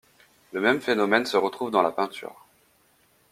Le même phénomène se retrouve dans la peinture.